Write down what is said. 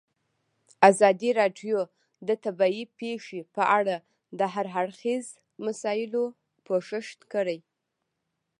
ازادي راډیو د طبیعي پېښې په اړه د هر اړخیزو مسایلو پوښښ کړی.